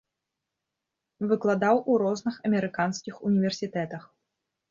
Выкладаў у розных амерыканскіх універсітэтах.